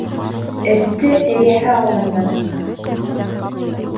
Этте эйәһе алдында туҡма.